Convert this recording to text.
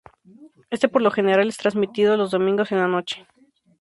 Éste por lo general es transmitido los domingos en la noche.